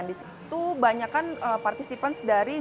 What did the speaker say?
itu banyak kan partisipans dari g dua puluh pak